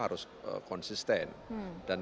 harus konsisten dan